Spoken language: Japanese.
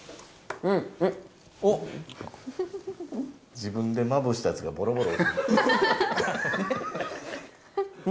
自分でまぶしたやつがボロボロ。